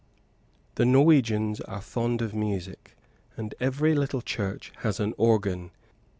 The Norwegians are fond of music, and every little church has an organ.